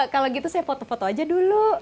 kalau gitu saya foto foto aja dulu